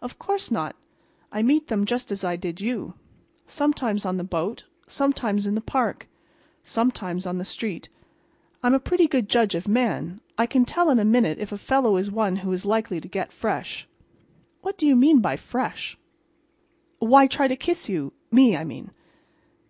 "Of course not. I meet them just as I did you. Sometimes on the boat, sometimes in the park, sometimes on the street. I'm a pretty good judge of a man. I can tell in a minute if a fellow is one who is likely to get fresh." "What do you mean by 'fresh?'" "Why, try to kiss you—me, I mean."